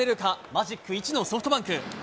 マジック１のソフトバンク。